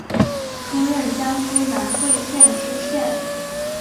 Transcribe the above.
出任江苏南汇县知县。